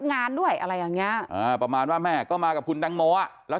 งานด้วยอะไรอย่างเงี้อ่าประมาณว่าแม่ก็มากับคุณแตงโมอ่ะแล้ว